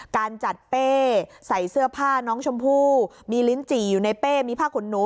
การจัดเป้ใส่เสื้อผ้าน้องชมพู่มีลิ้นจี่อยู่ในเป้มีผ้าขนหนู